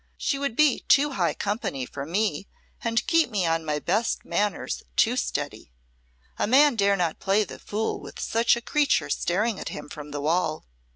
She would be too high company for me and keep me on my best manners too steady. A man dare not play the fool with such a creature staring at him from the wall.